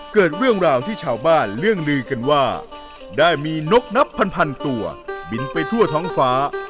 เกิดเรื่องราวที่ชาวบ้านเรื่องลือกันว่าได้มีนกนับพันตัวบินไปทั่วท้องฟ้า